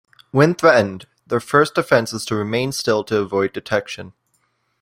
When threatened, their first defense is to remain still to avoid detection.